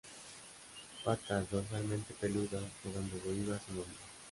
Patas dorsalmente peludas, de donde deriva su nombre.